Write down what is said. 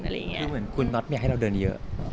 คือเหมือนคุณน็อตไม่อยากให้เราเดินเยอะ